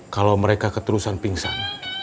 kalo mereka keterusan pingsan